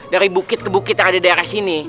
dari bukit ke bukit yang ada di daerah sini